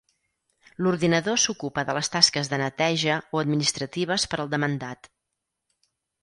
L'ordinador s'ocupa de les tasques de "neteja" o administratives per al demandat.